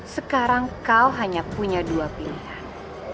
sekarang kau hanya punya dua pilihan